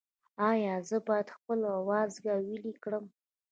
ایا زه باید خپل وازګه ویلې کړم؟